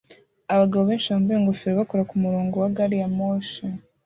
Abagabo benshi bambaye ingofero bakora kumurongo wa gari ya moshi